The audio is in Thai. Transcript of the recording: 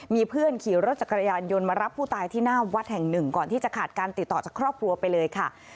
มีเพื่อนขี่รถจักรยานยนต์มารับผู้ตายที่หน้าวัดแห่งหนึ่งก่อนที่จะขาดการติดต่อจากครอบครัวไปเลยค่ะ